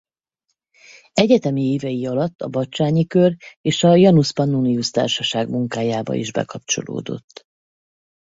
Egyetemi évei alatt a Batsányi Kör és a Janus Pannonius Társaság munkájába is bekapcsolódott.